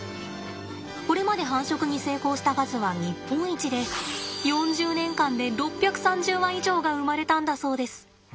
これまで繁殖に成功した数は日本一で４０年間で６３０羽以上が生まれたんだそうです。